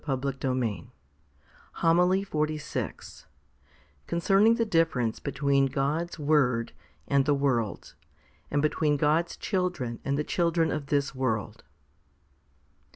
Y HOMILY XLVI / Concerning the difference between God's word and the worlds, and between God's children and the children of this world.